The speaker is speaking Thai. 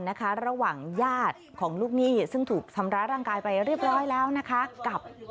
ซึ่งต้องทำร้าร่างกายไปร่อยแล้วนะคะ